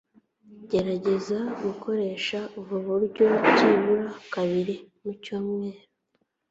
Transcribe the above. Gerageza gukoresha ubu buryo byibura kabiri mu cyumweru.